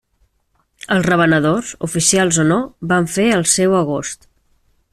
Els revenedors, oficials o no, van fer el seu agost.